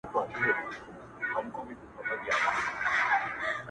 ژوند له مینې نه خوږ ښکاري.